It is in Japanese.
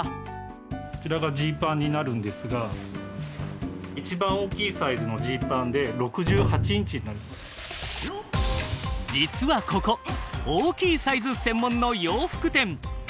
こちらがジーパンになるんですが一番大きいサイズのジーパンで実はここ大きいサイズ専門の洋服店。